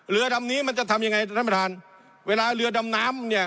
เรือดำนี้มันจะทำยังไงท่านประธานเวลาเรือดำน้ำเนี่ย